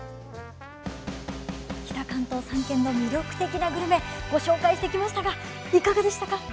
北関東３県の魅力的なグルメご紹介してきましたがいかがでしたか？